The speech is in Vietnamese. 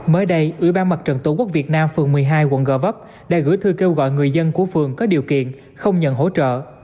mới đây ubnd tổ quốc việt nam phường một mươi hai quận gò vấp đã gửi thư kêu gọi người dân của phường có điều kiện không nhận hỗ trợ